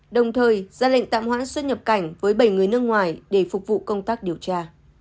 đồng thời ra lệnh tạm hoãn xuất nhập cảnh với bảy người nước ngoài để phục vụ công tác điều tra